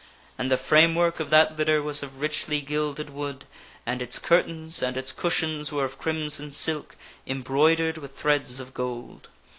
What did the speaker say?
And the frame work of that litter was of richly gilded wood, and its curtains and its cushions were of crimson silk embroidered with threads of gold.